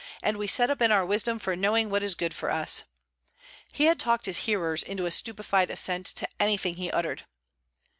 And we set up in our wisdom for knowing what is good for us!' He had talked his hearers into a stupefied assent to anything he uttered.